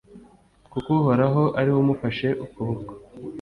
kuko Uhoraho ari we umufashe ukuboko